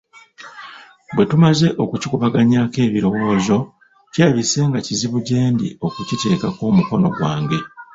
Bwetumaze okukikubaganyaako ebirowozo, kirabise nga kizibu gyendi okukiteekako omukono gwange.